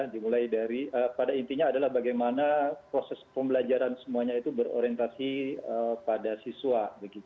dimulai dari pada intinya adalah bagaimana proses pembelajaran semuanya itu berorientasi pada siswa